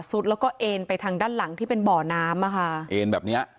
แล้วก็เอ็นไปทางด้านหลังที่เป็นบ่อน้ำอ่ะค่ะเอ็นแบบเนี้ย